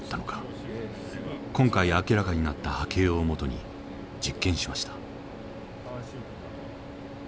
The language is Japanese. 今回明らかになった波形を基に実験しました。